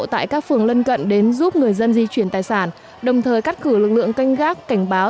tại các phường lân cận đến giúp người dân di chuyển tài sản đồng thời cắt cử lực lượng canh gác cảnh báo